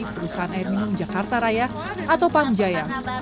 perusahaan air minum jakarta raya atau pam jaya